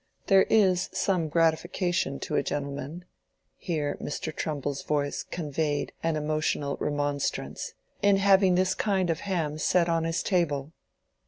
There is some gratification to a gentleman"—here Mr. Trumbull's voice conveyed an emotional remonstrance—"in having this kind of ham set on his table."